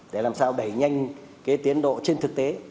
để làm sao đẩy nhanh cái tiến độ trên thực tế